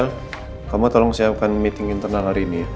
vel kamu tolong siapkan meeting internal hari ini ya